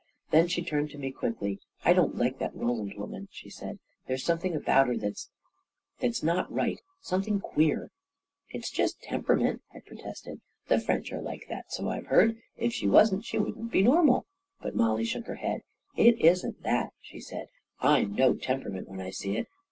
Then she turned to me quickly. " I don't like that Roland woman/' she said. " There's something about her that's — that's not right — something queer ..."" It's just temperament," I protested. " The French are like that — so I've heard. If she wasn't, she wouldn't be normal." But Mollie shook her head. " It isn't that," she said. " I know temperament when I see it.